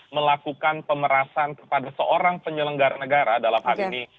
melakukan pemerasan kepada seorang penyelenggara negara dalam hal ini